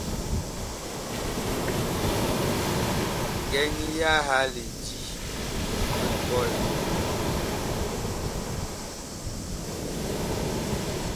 Ngɛŋ yaha lidi ya kɔlan.